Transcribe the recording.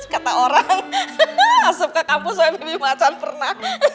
kata orang asap ke kampus soalnya bibi macan pernah